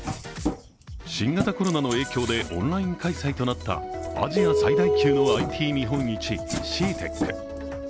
新型コロナの影響でオンライン開催となったアジア最大級のＩＴ日本一、ＣＥＡＴＥＣ。